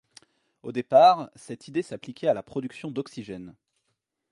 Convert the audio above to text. Au départ, cette idée s’appliquait à la production d’oxygène.